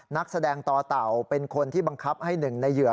นักแสดงต่อเต่าเป็นคนที่บังคับให้หนึ่งในเหยื่อ